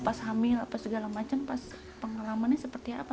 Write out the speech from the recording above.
pas hamil apa segala macam pas pengalamannya seperti apa